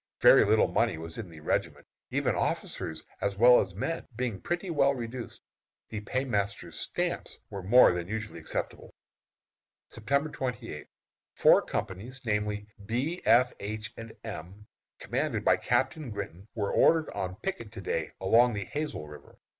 Very little money was in the regiment, even officers as well as men being pretty well reduced. The paymaster's "stamps" were more than usually acceptable. September 28. Four companies, namely, B, F, H, and M, commanded by Captain Grinton, were ordered on picket to day along the Hazel River.